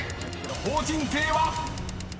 ［法人税は⁉］